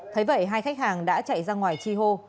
thấy vậy hai khách hàng đã chạy ra ngoài chi hô